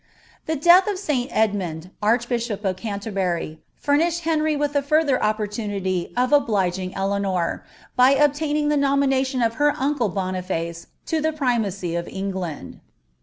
TV denih of Sl Edmund, archbishop of Canterbury, funiished Henry ' I'ij » furtltcr opportunity of obliging Eleanor, by obtaining the nomina !: iif her uncle Boniface lo the primacy of England.